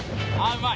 うまい！